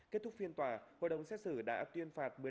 kết thúc phiên tòa hội đồng xét xử đã tuyên phạt